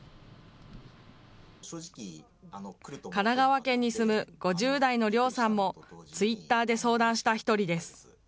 神奈川県に住む５０代のリョウさんも、ツイッターで相談した１人です。